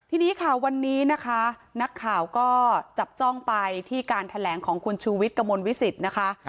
ทีนี้ค่ะวันนี้นะคะนักข่าวก็จับจ้องไปที่การแถลงของคุณชูวิทย์กระมวลวิสิตนะคะ